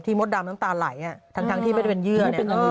ที่มดดำน้ำตาไหล่ทั้งที่ไม่ได้เป็นเยื่อ